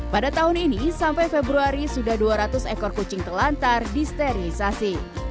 pada tahun ini sampai februari sudah dua ratus ekor kucing telantar disterilisasi